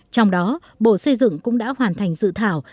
trong đó bộ xây dựng cũng đã hoàn thành dự thảo